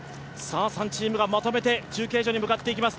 ３チームがまとめて中継所に向かっていきます。